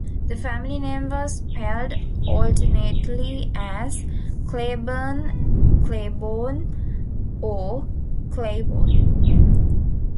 The family name was spelled alternately as Cleburn, Cleyborne, or Claiborne.